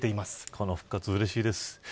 この復活うれしいです。